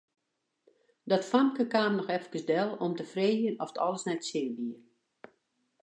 Dat famke kaam noch efkes del om te freegjen oft alles nei't sin wie.